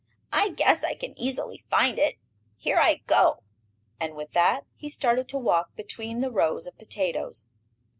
"I guess I can easily find it. Here I go!" and with that he started to walk between the rows of potatoes.